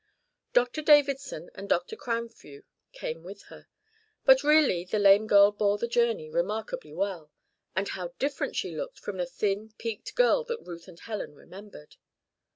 Dr. Davidson and Dr. Cranfew came with her; but really the lame girl bore the journey remarkably well. And how different she looked from the thin, peaked girl that Ruth and Helen remembered!